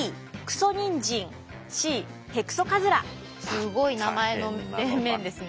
すごい名前の面々ですね。